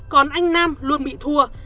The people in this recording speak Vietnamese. còn anh nam luôn bị thua